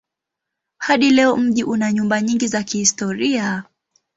Hadi leo mji una nyumba nyingi za kihistoria.